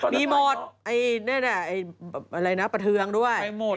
มีหมดอะไรนะประเทืองด้วย